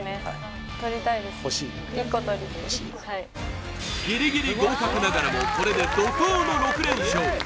欲しいな欲しいなギリギリ合格ながらもこれで怒とうの６連勝